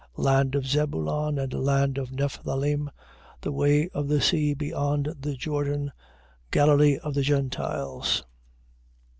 Land of Zabulon and land of Nephthalim, the way of the sea beyond the Jordan, Galilee of the Gentiles: 4:16.